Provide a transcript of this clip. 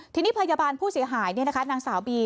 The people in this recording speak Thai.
ทีนี้พยาบาลผู้เสียหายนางสาวบี